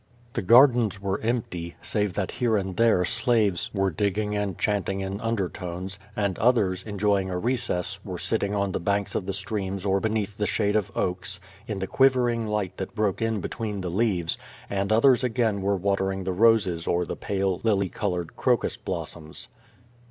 The gardens were empty, save that here and there slaves QUO TADISI. 8l were digging and chanting in undertones, and otliers, en joying a recess, were sitting on the banks of the streams or beneath the shade of oaks, in the quivering light that brokt in between the leaves, and others again were watering the roses or the pale, lily colored crocus blossoms.